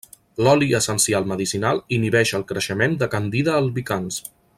L'oli essencial medicinal inhibeix el creixement de Candida albicans.